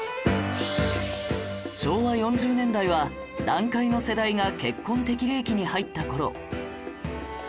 昭和４０年代は団塊の世代が結婚適齢期に入った頃